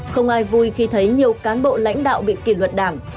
không ai vui khi thấy nhiều cán bộ lãnh đạo bị kỷ luật đảng